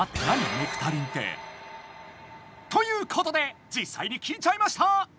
ネクタリンって。ということでじっさいに聞いちゃいました！